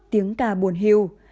tiếng ca buồn hưu